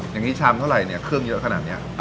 อย่างนี้ชามเท่าไหร่เนี่ยเครื่องเยอะขนาดนี้